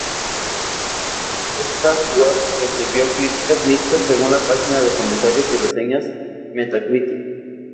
Star Fox Guard recibió críticas mixtas, según la página de comentarios y reseñas Metacritic.